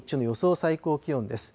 最高気温です。